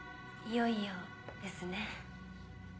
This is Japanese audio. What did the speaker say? いよいよですね。